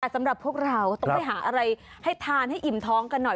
สำหรับพวกเราต้องไปหาอะไรให้ทานให้อิ่มท้องกันหน่อย